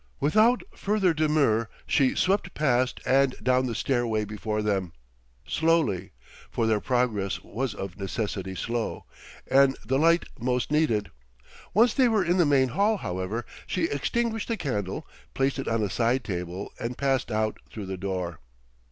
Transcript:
Without further demur she swept past and down the stairway before them slowly, for their progress was of necessity slow, and the light most needed. Once they were in the main hall, however, she extinguished the candle, placed it on a side table, and passed out through the door.